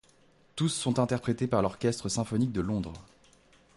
Tous sont interprétés par l'orchestre symphonique de Londres.